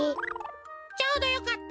ちょうどよかった。